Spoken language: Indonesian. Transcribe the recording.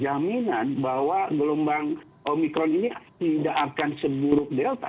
jaminan bahwa gelombang omikron ini tidak akan seburuk delta